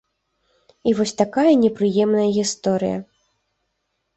І вось такая непрыемная гісторыя.